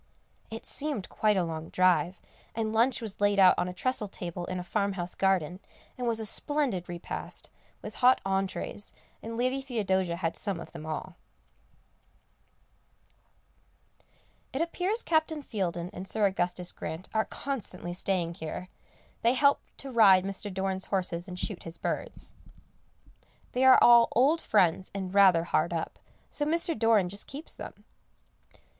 It seemed quite a long drive, and lunch was laid out on a trestle table in a farmhouse garden, and was a splendid repast, with hot entrées, and Lady Theodosia had some of them all. [Sidenote: Mr. Doran's Philanthropy] It appears Captain Fieldin and Sir Augustus Grant are constantly staying here; they help to ride Mr. Doran's horses and shoot his birds. They are all old friends, and rather hard up, so Mr. Doran just keeps them.